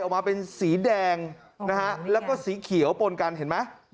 ออกมาเป็นสีแดงนะฮะแล้วก็สีเขียวปนกันเห็นไหม